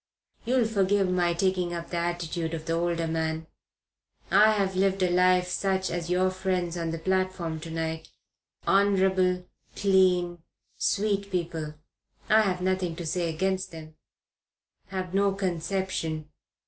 You'll forgive my taking up the attitude of the older man. I have lived a life such as your friends on the platform to night honorable, clean, sweet people I've nothing to say against them have no conception.